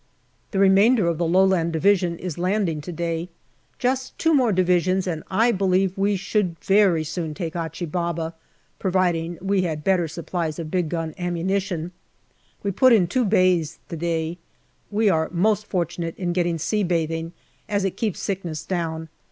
The remainder of the Lowland Division is landing to day. Just two more Divisions, and I believe we should very soon take Achi Baba, providing we had better supplies of big gun ammunition. We put in two bathes to day. We are most fortunate in getting sea bathing, as it keeps sickness down.